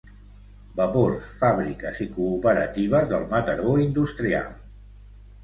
Vapors, fàbriques i cooperatives del Mataró industrial.